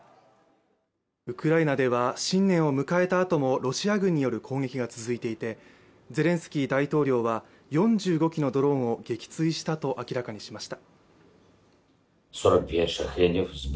ウクライナでは新年を迎えたあともロシア軍による攻撃が続いていて、ゼレンスキー大統領は４５機のドローンを撃墜したと明らかにしました。